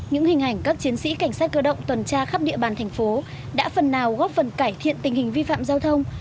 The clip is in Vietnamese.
những hình ảnh các chiến sĩ cảnh sát cơ động tuần tra khắp địa bàn thành phố đã phần nào góp phần cải thiện tình hình vi phạm giao thông